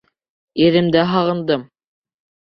Иремде һағындым!